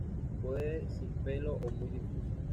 Puede sin pelo o muy difusa.